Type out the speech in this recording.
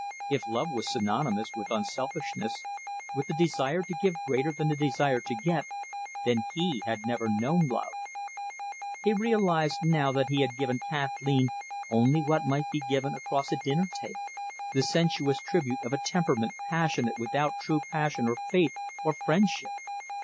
If love was synonymous with unselfishness, with the desire to give greater than the desire to get, then he had never known love. He realised now that he had given Kathleen only what might be given across a dinner table the sensuous tribute of a temperament, passionate without true passion or faith or friendship.